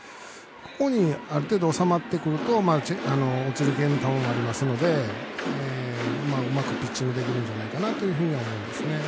ここにある程度、収まってくると落ちる系の球もありますのでうまくピッチングできるんじゃないかなと思うんですよね。